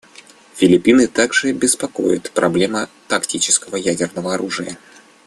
Филиппины также беспокоит проблема тактического ядерного оружия.